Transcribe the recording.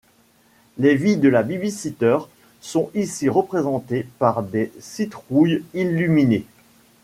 Les vies de la babysitter sont ici représentées par des citrouilles illuminées.